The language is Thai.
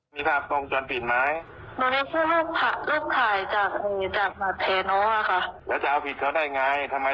เป็นแม่ของเขาค่ะเป็นแม่ของเขาได้